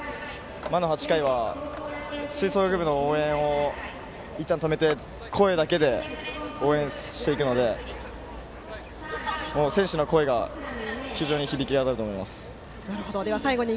魔の８回は吹奏楽部の応援をいったん止めて声だけで応援していくので選手の声が非常に響き渡ると思います。